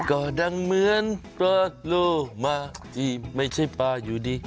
ก็ดังเหมือนโปรดโลมาที่ไม่ใช่ปลาอยู่ดี